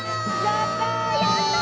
やった！